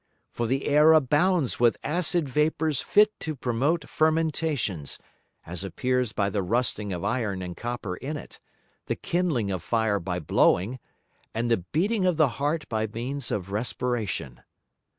For the Air abounds with acid Vapours fit to promote Fermentations, as appears by the rusting of Iron and Copper in it, the kindling of Fire by blowing, and the beating of the Heart by means of Respiration.